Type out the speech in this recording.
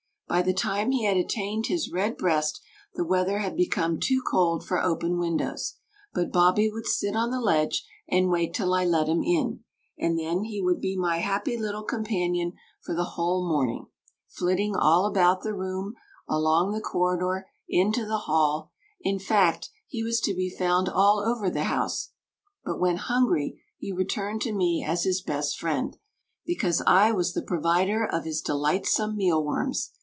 By the time he had attained his red breast the weather had become too cold for open windows, but Bobbie would sit on the ledge and wait till I let him in, and then he would be my happy little companion for the whole morning, flitting all about the room, along the corridor, into the hall in fact, he was to be found all over the house; but when hungry he returned to me as his best friend, because I was the provider of his delightsome mealworms.